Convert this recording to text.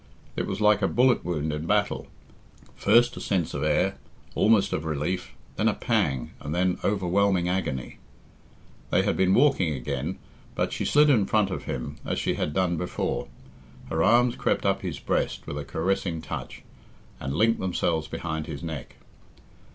It was like a bullet wound in battle; first a sense of air, almost of relief, then a pang, and then overwhelming agony. They had been walking again, but she slid in front of him as she had done before. Her arms crept up his breast with a caressing touch, and linked themselves behind his neck.